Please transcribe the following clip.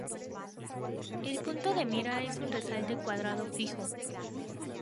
El punto de mira es un resalte cuadrado fijo.